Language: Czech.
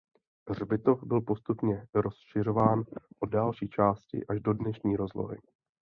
Hřbitov byl postupně rozšiřován o další části až do dnešní rozlohy.